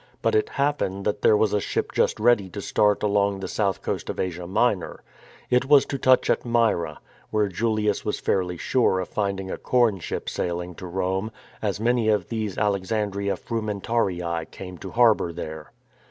But it happened that there was a ship just ready to start along the south coast of Asia Minor. It was to touch at Myra, where Julius was fairly sure of finding a corn ship sailing to Rome — as many of these Alexandrian fru mentarii'^ came to harbour there.